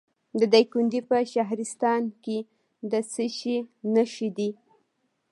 د دایکنډي په شهرستان کې د څه شي نښې دي؟